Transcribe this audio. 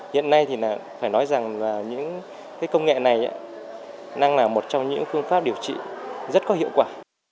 hiện nay thì phải nói rằng những công nghệ này đang là một trong những phương pháp điều trị rất có hiệu quả